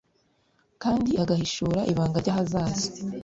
kandi agahishura ibanga ry'ahazaza.